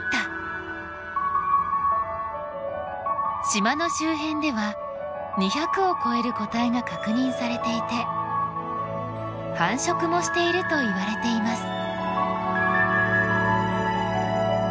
島の周辺では２００を超える個体が確認されていて繁殖もしているといわれています。